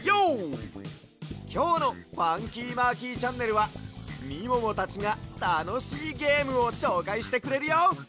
きょうの「ファンキーマーキーチャンネル」はみももたちがたのしいゲームをしょうかいしてくれるよ！